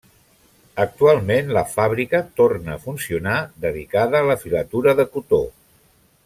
Actualment la fàbrica torna a funcionar dedicada a la filatura de cotó.